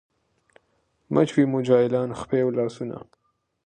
مچوي مو جاهلان پښې او لاسونه